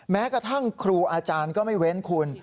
แม้กระทั่งครูอาจารย์ก็ไม่เว้นคุณ